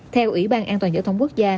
theo ủy ban an toàn giao thông quốc gia